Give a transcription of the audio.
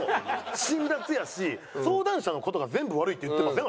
辛辣やし相談者の事が全部悪いって言ってません？